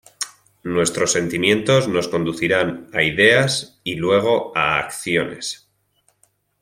Nuestros sentimientos nos conducirán a ideas y luego a acciones.